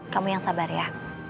kamu yang sabar ya